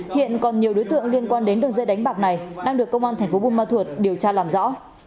hiện còn nhiều đối tượng liên quan đến đường dây đánh bạc này đang được công an tp bumathuot điều tra làm rõ